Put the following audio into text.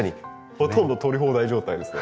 ほとんど取り放題状態ですね。